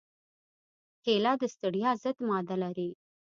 کېله د ستړیا ضد ماده لري.